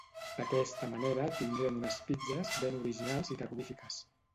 D'aquesta manera, tindrem unes pizzes ben originals i terrorífiques.